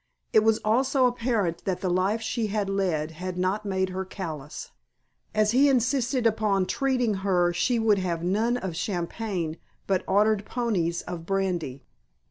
It was also apparent that the life she had led had not made her callous. As he insisted upon "treating" her she would have none of champagne but ordered ponies of brandy.